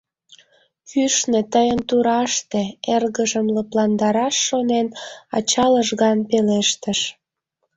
Кӱшнӧ, тыйын тураште! — эргыжым лыпландараш шонен, ача лыжган пелештыш.